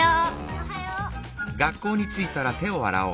おはよう。